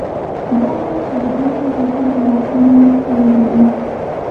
دا ځای چې له دین څخه تمه مقولې ته وګوري.